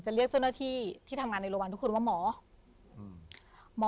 เรียกเจ้าหน้าที่ที่ทำงานในโรงพยาบาลทุกคนว่าหมออืม